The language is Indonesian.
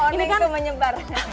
ini kan menyebar